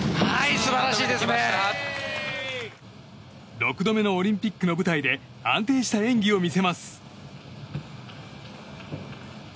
６度目のオリンピックの舞台で安定した演技を見せます。